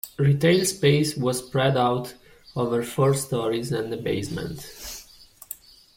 Retail space was spread out over four storeys and a basement.